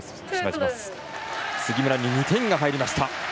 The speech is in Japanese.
杉村に２点が入りました。